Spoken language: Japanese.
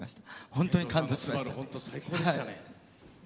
本当に感動しました。